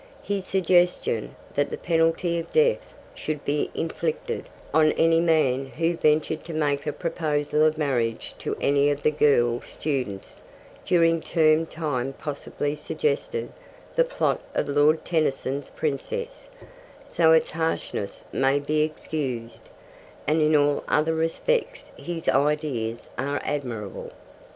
His suggestion that the penalty of death should be inflicted on any man who ventured to make a proposal of marriage to any of the girl students during term time possibly suggested the plot of Lord Tennyson's Princess, so its harshness may be excused, and in all other respects his ideas are admirable.